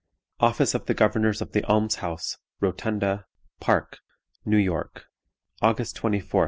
_ "Office of the Governors of the Alms house, Rotunda, Park, "New York, August 24, 1855.